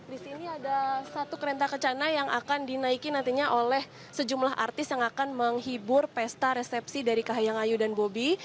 di sini ada satu kereta kencana yang akan dinaiki nantinya oleh sejumlah artis yang akan menghibur pesta resepsi dari kahayang ayu dan bobi